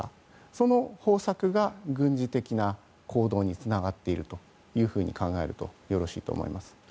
その方策が軍事的な行動につながっていくと考えるとよろしいと思います。